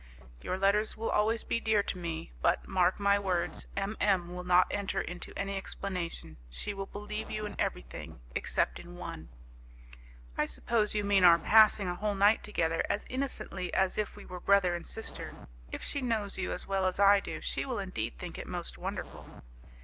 "Your letters will always be dear to me, but, mark my words, M M will not enter into any explanation. She will believe you in everything, except in one." "I suppose you mean our passing a whole night together as innocently as if we were brother and sister. If she knows you as well as I do, she will indeed think it most wonderful."